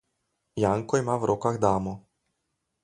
Janko ima v rokah damo.